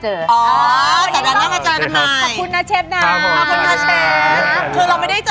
เสร็จแล้วค่ะ